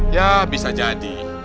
ya bisa jadi